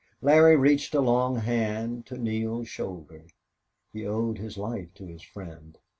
Larry reached a long hand to Neale's shoulder. He owed his life to his friend.